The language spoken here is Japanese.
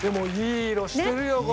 いい色してるわ。